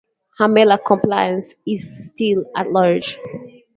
Her male accomplice is still at large.